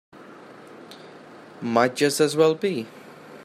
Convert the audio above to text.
Might just as well be.